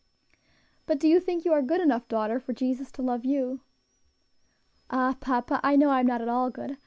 '" "But do you think you are good enough, daughter, for Jesus to love you?" "Ah! papa, I know I am not at all good.